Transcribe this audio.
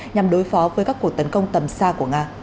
nhằm đối phó với các cuộc tấn công tầm xa của nga